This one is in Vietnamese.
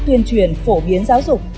tuyên truyền phổ biến giáo dục